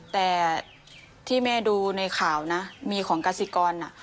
แต่ที่แม่ดูในข่าวนะมีของกสิกร